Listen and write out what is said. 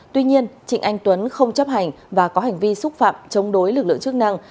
tuy nhiên trịnh anh tuấn không chấp hành và có hành vi xúc phạm chống đối lực lượng chức năng